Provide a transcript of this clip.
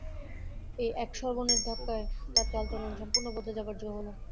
এই এক সর্বনের ধাক্কায় তার চালচলন সম্পূর্ণ বদলে যাবার জো হল।